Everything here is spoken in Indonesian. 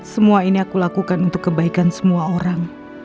semua ini aku lakukan untuk kebaikan semua orang